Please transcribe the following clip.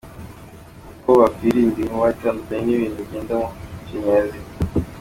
Uko wakwirinda inkuba Itandukanye n’ibintu bigendamo amashanyarazi